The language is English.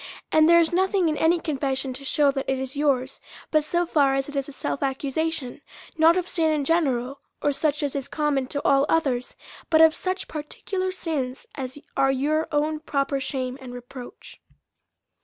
And there is nothing in any confession to shew that it is yours, but so far as it is a self accusation, not of sin in general, or such as is common to all others, but of such particular sins as are your own proper shame and reproach.